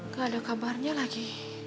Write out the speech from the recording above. gak ada kabarnya lagi